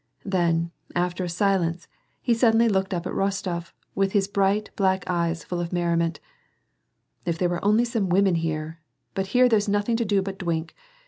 Then, after a silence, he suddenly looked up at Rostof with his bright, black eyes full of merri ment,— " If there were only some women here. But here there's nothing to do but dwink.